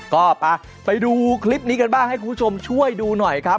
ก็ไปดูคลิปนี้กันบ้างให้คุณผู้ชมช่วยดูหน่อยครับ